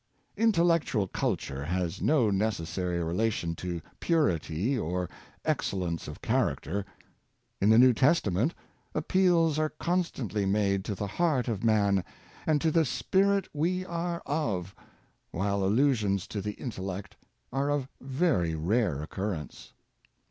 Intellectual culture has no necessary relation to purity or excellence of character. In the New Testament, appeals are constantly made to the heart of man and to " the spirit we are of," while allusions to the intellect are of very rare occurrence.